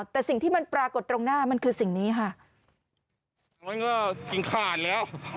แต่สิ่งที่มันปรากฏตรงหน้ามันคือสิ่งนี้ค่ะ